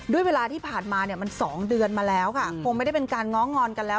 เวลาที่ผ่านมาเนี่ยมัน๒เดือนมาแล้วค่ะคงไม่ได้เป็นการง้องอนกันแล้ว